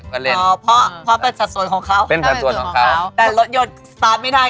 เพราะเป็นส่วนของเขาแต่รถยนต์สตาร์ฟไม่ได้ขับไม่ได้